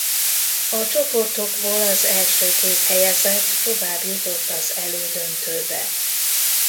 A csoportokból az első két helyezett továbbjutott az elődöntőbe.